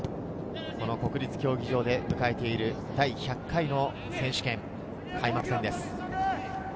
国立競技場で迎えている第１００回の選手権、開幕戦です。